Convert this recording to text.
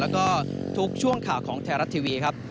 แล้วก็ทุกช่วงข่าวของไทยรัฐทีวีครับ